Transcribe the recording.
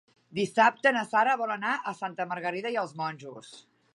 Dissabte na Sara vol anar a Santa Margarida i els Monjos.